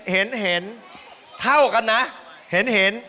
เห็นเห็นเท่ากันนะเห็น